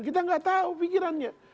kita gak tahu pikirannya